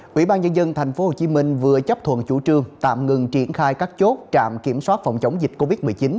quỹ ban nhân dân tp hcm vừa chấp thuận chủ trương tạm ngừng triển khai các chốt trạm kiểm soát phòng chống dịch covid một mươi chín